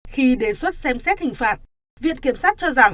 khi đề xuất xem xét hình phạt viện kiểm sát cho rằng